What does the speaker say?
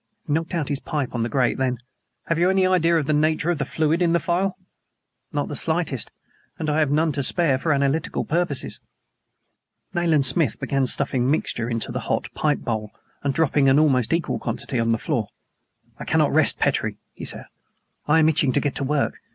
He knocked out his pipe on the grate. Then: "Have you any idea of the nature of the fluid in the phial?" "Not the slightest. And I have none to spare for analytical purposes." Nayland Smith began stuffing mixture into the hot pipe bowl, and dropping an almost equal quantity on the floor. "I cannot rest, Petrie," he said. "I am itching to get to work.